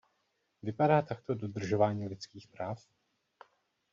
Vypadá takto dodržování lidských práv?